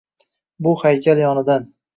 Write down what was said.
shu haykal yonidan